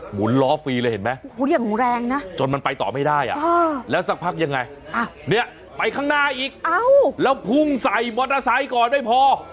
หุนล้อฟรีเลยเห็นไหมอย่างแรงนะจนมันไปต่อไม่ได้แล้วสักพักยังไงเนี่ยไปข้างหน้าอีกแล้วพุ่งใส่มอเตอร์ไซค์ก่อนไม่พอ